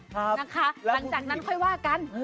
หลังจากนั้นค่อยว่ากัน